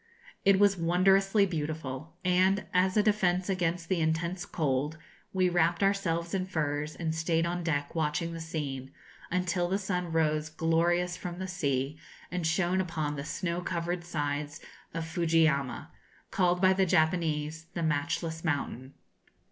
It was wondrously beautiful; and, as a defence against the intense cold, we wrapped ourselves in furs, and stayed on deck watching the scene, until the sun rose glorious from the sea, and shone upon the snow covered sides of Fujiyama, called by the Japanese 'the matchless mountain.'